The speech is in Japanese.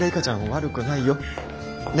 悪くないよ。ね。